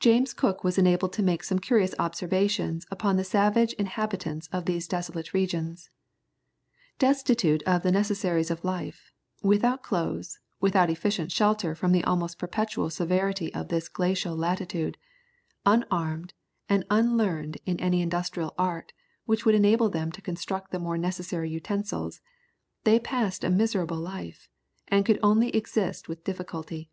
James Cook was enabled to make some curious observations upon the savage inhabitants of those desolate regions. Destitute of the necessaries of life, without clothes, without efficient shelter from the almost perpetual severity of this glacial latitude, unarmed, and unlearned in any industrial art which would enable them to construct the more necessary utensils, they passed a miserable life, and could only exist with difficulty.